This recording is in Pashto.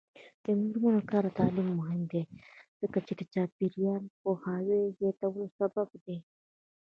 د میرمنو کار او تعلیم مهم دی ځکه چې چاپیریال پوهاوي زیاتولو سبب دی.